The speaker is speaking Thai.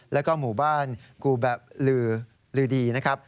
แล้วก็หมู่บ้านกูแบบลือลือดีนะครับ